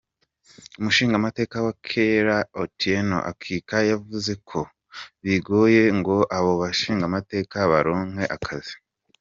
Umushingamateka wa kera Othieno Akika, yavuze ko bigoye ngo abo bashingamateka baronke akazi.